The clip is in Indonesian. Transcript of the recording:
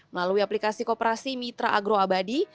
melalui aplikasi koperasi mitra agroabadi